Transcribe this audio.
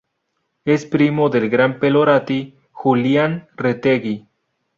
Es primo del gran pelotari Julián Retegi.